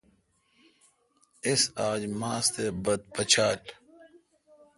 اس اج ماس تے بت پچال۔